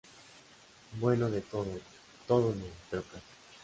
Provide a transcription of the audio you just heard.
Bueno de todo, todo… no; pero casi.